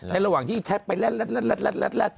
ระหว่างที่แท็กไปแล่น